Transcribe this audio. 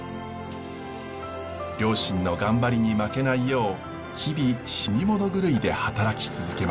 両親の頑張りに負けないよう日々死に物狂いで働き続けました。